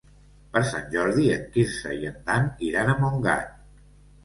Per Sant Jordi en Quirze i en Dan iran a Montgat.